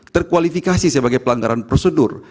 terkualifikasi sebagai pelanggaran prosedur